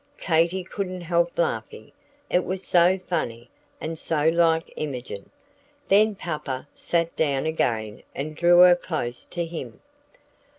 Katy couldn't help laughing, it was so funny, and so like Imogen. Then Papa sat down again and drew her close to him.